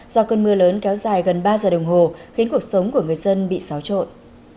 do cơn mưa lớn kéo dài gần ba giờ đồng hồ khiến cuộc sống của người dân bị xáo trộn